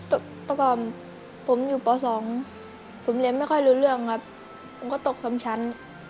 แต่ก่อนผมอยู่ป๒ผมเรียนไม่ค่อยรู้เรื่องครับผมก็ตกซ้ำชั้น